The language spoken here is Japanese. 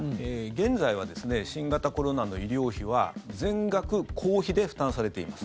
現在は新型コロナの医療費は全額公費で負担されています。